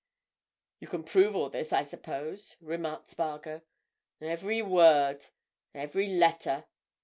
"You can prove all this, I suppose?" remarked Spargo. "Every word—every letter!